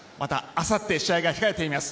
またあさって試合が控えています